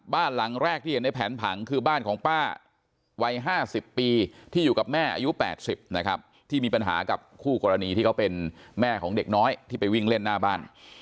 บ้านหลังแรกที่เห็นในแผนผังคือบ้านของป้าวัย๕๐ปีที่อยู่กับแม่อายุ๘๐นะครับที่มีปัญหากับคู่กรณีที่เขาเป็นแม่ของเด็กน้อยที่ไปวิ่งเล่นหน้าบ้าน